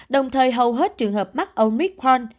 đồng thời hầu hết trường hợp mắc omicron bùng phát